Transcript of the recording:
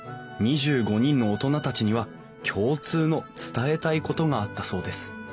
２５人の大人たちには共通の伝えたいことがあったそうです